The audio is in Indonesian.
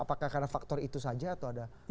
apakah karena faktor itu saja atau ada praktek lain